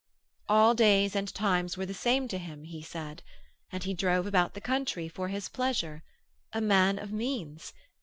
All days and times were the same to him—he said. And he drove about the country for his pleasure. A man of means.